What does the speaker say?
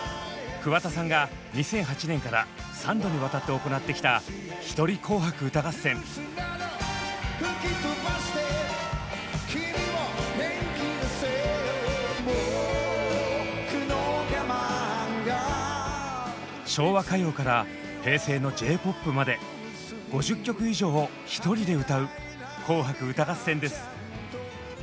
桑田さんが２００８年から３度にわたって行ってきた昭和歌謡から平成のＪ−ＰＯＰまで５０曲以上をひとりで歌う「紅白歌合戦」です。